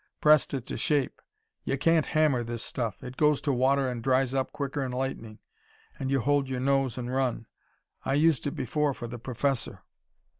Pressed it to shape; y' can't hammer this stuff. It goes to water and dries up quicker'n lightning an' you hold y'nose an' run. I used it before for the Professor."